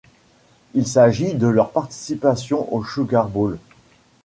Il s'agit de leur participation au Sugar Bowl.